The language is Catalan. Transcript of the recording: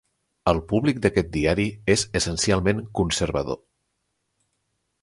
El públic d'aquest diari és essencialment conservador.